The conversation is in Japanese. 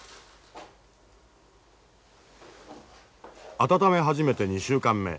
温め始めて２週間目。